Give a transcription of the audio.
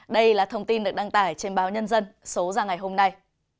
đây là thông tin được đăng tải trên báo nhân dân số ra ngày hôm nay